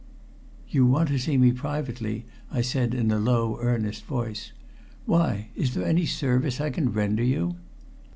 "You want to see me privately," I said in a low, earnest voice. "Why? Is there any service I can render you?"